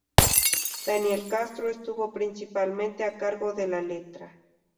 Daniel Castro estuvo principalmente a cargo de la letra.